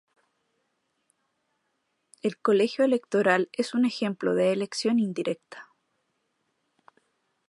El colegio electoral es un ejemplo de elección indirecta.